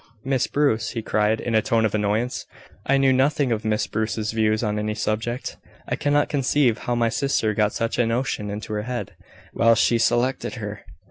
"Miss Bruce!" he cried, in a tone of annoyance. "I know nothing of Miss Bruce's views on any subject. I cannot conceive how my sister got such a notion into her head why she selected her."